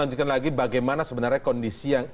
menunjukkan lagi bagaimana sebenarnya kondisi yang